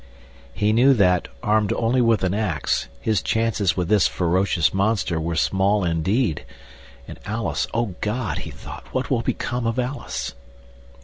He knew that, armed only with an ax, his chances with this ferocious monster were small indeed—and Alice; O God, he thought, what will become of Alice?